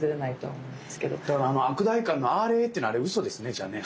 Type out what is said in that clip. だから悪代官の「あれ」っていうのあれうそですねじゃあね。